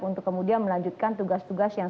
untuk kemudian melanjutkan tugas tugas yang